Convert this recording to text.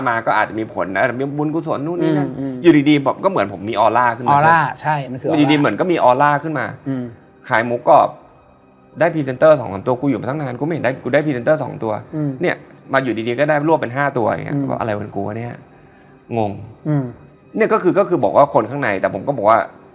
ไม่ได้ขึ้นเพราะอ่าประสบสถิติเหตุอืมอ่าขึ้นไม่ไหว